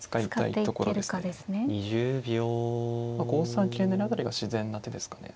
５三桂成辺りが自然な手ですかね。